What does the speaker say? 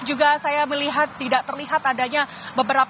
juga saya melihat tidak terlihat adanya beberapa